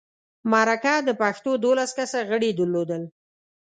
مرکه د پښتو دولس کسه غړي درلودل.